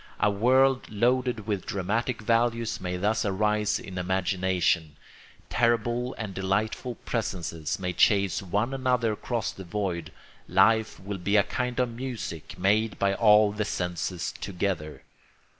A world loaded with dramatic values may thus arise in imagination; terrible and delightful presences may chase one another across the void; life will be a kind of music made by all the senses together.